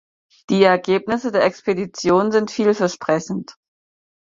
Die Ergebnisse der Expeditionen sind vielversprechend.